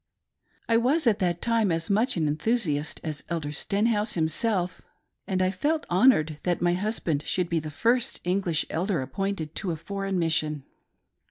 I was at that time as much an enthusiast as Elder Stenhouse himself, and I felt honored that my husband should be the first English elder appointed to a foreign mis sion.